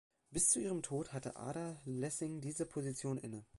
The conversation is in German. Bis zu ihrem Tod hatte Ada Lessing diese Position inne.